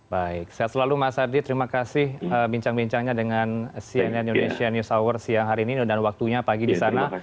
baik sehat selalu mas ardi terima kasih bincang bincangnya dengan cnn indonesia news hour siang hari ini dan waktunya pagi di sana